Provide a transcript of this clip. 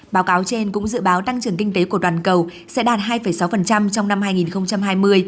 báo cáo trên cũng dự báo tăng trưởng kinh tế của toàn cầu sẽ đạt hai sáu trong năm hai nghìn hai mươi